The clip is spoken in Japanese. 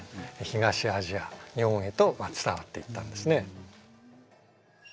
東アジア日本へと伝わっていったんですね。